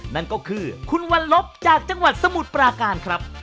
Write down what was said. นั่นก็คือคุณวันลบจากจังหวัดสมุทรปราการครับ